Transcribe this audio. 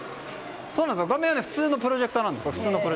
画面は普通のプロジェクターなんです。